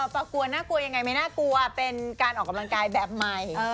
ปลากวนน่ากลัวยังไงไม่น่ากลัวเป็นการออกกำลังกายแบบใหม่